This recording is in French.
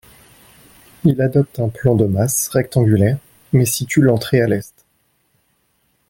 Il adopte un plan de masse rectangulaire, mais situe l'entrée à l’est.